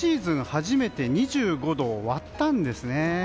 初めて２５度を割ったんですね。